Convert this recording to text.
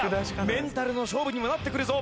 メンタルの勝負にもなってくるぞ。